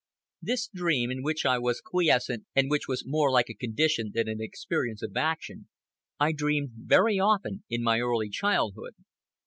This dream, in which I was quiescent and which was more like a condition than an experience of action, I dreamed very often in my early childhood.